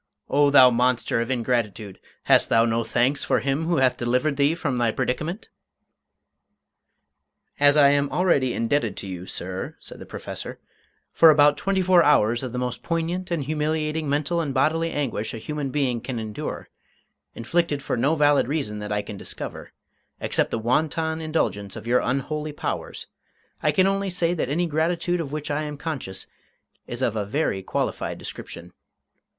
"O thou monster of ingratitude, hast thou no thanks for him who hath delivered thee from thy predicament?" "As I am already indebted to you, sir," said the Professor, "for about twenty four hours of the most poignant and humiliating mental and bodily anguish a human being can endure, inflicted for no valid reason that I can discover, except the wanton indulgence of your unholy powers, I can only say that any gratitude of which I am conscious is of a very qualified description.